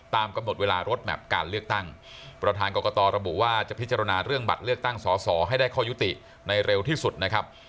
ตามกำหนดเวลารถแมพการเลือกตั้งประธานกรกตระบุว่าจะพิจารณาเรื่องบัตรเลือกตั้งสอสอให้ได้ข้อยุติในเร็วที่สุดนะครับ